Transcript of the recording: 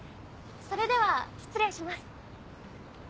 それでは失礼します。